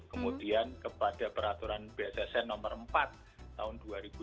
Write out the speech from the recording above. kemudian kepada peraturan bssn nomor empat tahun dua ribu dua puluh